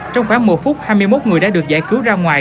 trong khoảng một phút hai mươi một người đã được giải cứu ra ngoài